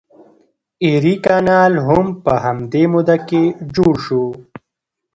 ایري کانال هم په همدې موده کې جوړ شو.